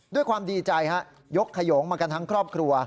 ด้วยความดีใจฮะยกขยงมากันทั้งครอบครัว